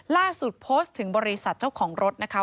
ล่าสุดโพสต์ถึงบริษัทเจ้าของรถนะคะ